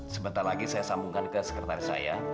sebentar lagi saya sambungkan ke sekretaris saya